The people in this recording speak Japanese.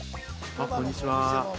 こんにちは。